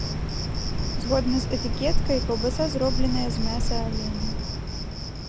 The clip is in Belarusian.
Згодна з этыкеткай, каўбаса зробленая з мяса аленя.